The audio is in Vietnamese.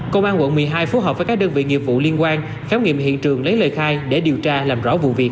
công an quận một mươi hai phối hợp với các đơn vị nghiệp vụ liên quan khám nghiệm hiện trường lấy lời khai để điều tra làm rõ vụ việc